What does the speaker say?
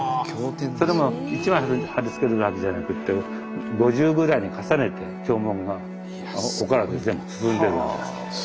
それも一枚貼り付けるわけじゃなくて５重ぐらいに重ねて経文がお体を全部包んでる。